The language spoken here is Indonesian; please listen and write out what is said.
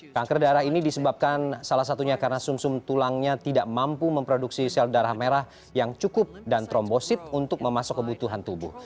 kanker darah ini disebabkan salah satunya karena sum sum tulangnya tidak mampu memproduksi sel darah merah yang cukup dan trombosit untuk memasuk kebutuhan tubuh